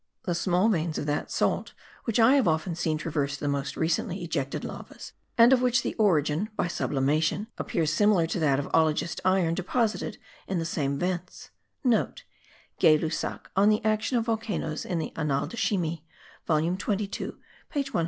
the small veins of that salt which I have often seen traverse the most recently ejected lavas, and of which the origin (by sublimation) appears similar to that of oligist iron deposited in the same vents,* (* Gay Lussac on the action of volcanoes in the Annales de Chimie volume 22 page 418.)